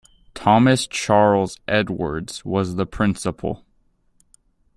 Thomas Charles Edwards was the Principal.